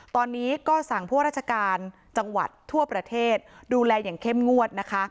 ตอนนี้ก็สั่งพวกราชการจังหวัดทั่วประเทศดูแลอย่างเข้มงวดนะคะ